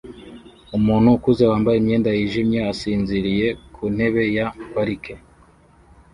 Umuntu ukuze wambaye imyenda yijimye asinziriye ku ntebe ya parike